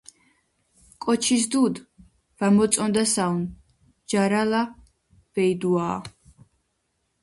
კოჩის დუდ ვამოწონდასუნ ჯარალა ვეიდუააა.